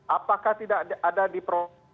apakah tidak ada di provinsi